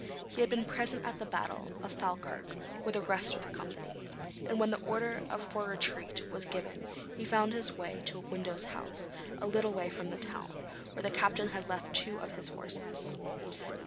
He had been present at the battle of Falkirk with the rest of the company, and when the order for retreat was given he found his way to a widow's house a little way from the town, where the captain had left two of his horses.